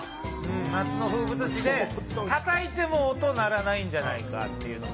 夏の風物詩でたたいても音鳴らないんじゃないかっていうのと。